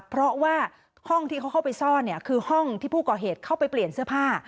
เพราะว่าห้องที่เขาเข้าไปซ่อนเนี่ยคือห้องที่ผู้ก่อเหตุเข้าไปเปลี่ยนเสื้อผ้า